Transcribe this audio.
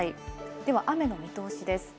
では雨の見通しです。